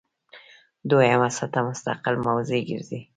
دویمه سطح مستقل موضوع ګرځي.